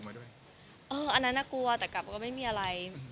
อันนั้นน่ากลัวแต่กลับก็ไม่มีอะไร